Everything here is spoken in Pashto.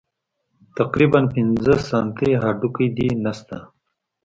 تقريباً پينځه سانتۍ هډوکى دې نشته.